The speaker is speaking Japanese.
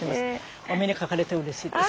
お目にかかれてうれしいです。